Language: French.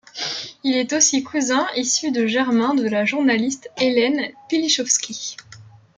Il est aussi cousin issu de germain de la journaliste Hélène Pilichowski.